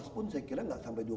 cuma masyarakat kan bertanya banyak